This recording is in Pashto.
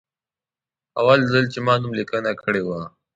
اول ځل چې ما نوملیکنه کړې وه.